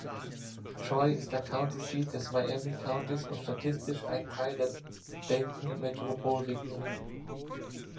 Troy ist der County Seat des Miami Countys und statistisch ein Teil der Dayton-Metropolregion.